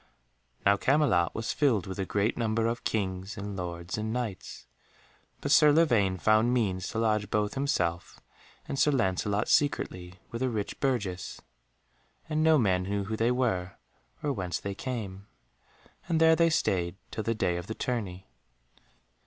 Now Camelot was filled with a great number of Kings and Lords and Knights, but Sir Lavaine found means to lodge both himself and Sir Lancelot secretly with a rich burgess, and no man knew who they were or whence they came. And there they stayed till the day of the tourney.